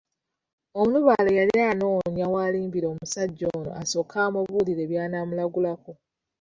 Omulubaale yali anoonya w’alimbira omusajja ono asooke amubuulire by’anaamulagulako.